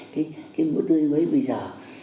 cái mũi tươi mới bây giờ